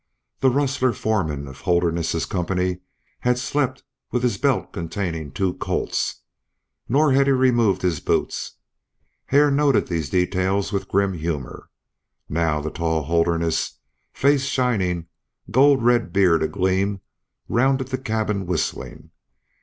The rustler foreman of Holderness's company had slept with his belt containing two Colts, nor had he removed his boots. Hare noted these details with grim humor. Now the tall Holderness, face shining, gold red beard agleam, rounded the cabin whistling.